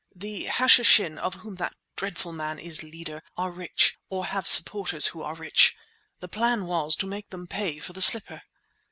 "The Hashishin, of whom that dreadful man is leader, are rich, or have supporters who are rich. The plan was to make them pay for the slipper."